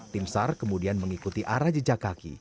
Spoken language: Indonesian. tim sar kemudian mengikuti arah jejak kaki